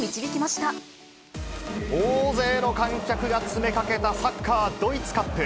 大勢の観客が詰めかけたサッカードイツカップ。